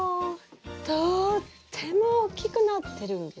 とってもおっきくなってるんですよ！